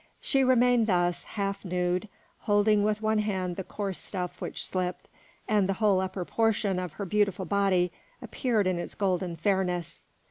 She remained thus, half nude, holding with one hand the coarse stuff which slipped, and the whole upper portion of her beautiful body appeared in its golden fairness.